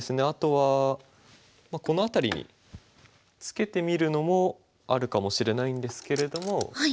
あとはこの辺りにツケてみるのもあるかもしれないんですけれども。